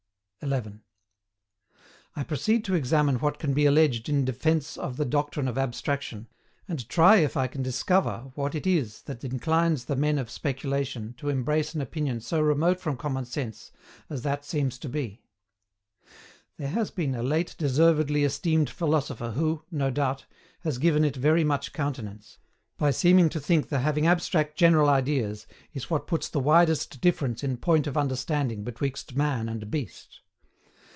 11. I proceed to examine what can be alleged in DEFENCE OF THE DOCTRINE OF ABSTRACTION, and try if I can discover what it is that inclines the men of speculation to embrace an opinion so remote from common sense as that seems to be. There has been a late deservedly esteemed philosopher who, no doubt, has given it very much countenance, by seeming to think the having abstract general ideas is what puts the widest difference in point of understanding betwixt man and beast.